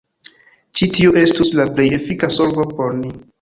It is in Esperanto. Ĉi tio estus la plej efika solvo por ni.